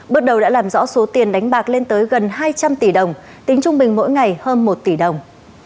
bước đầu đã làm rõ số tiền đánh bạc lên tới gần hai trăm linh tỷ đồng tính trung bình mỗi ngày hơn một tỷ đồng